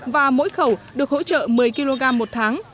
và mỗi khẩu được hỗ trợ một mươi kg một tháng